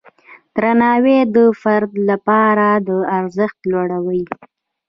درناوی د فرد لپاره د ارزښت لوړوي.